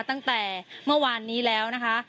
ตั้งแต่เมื่อวานนี้แล้วนะคะ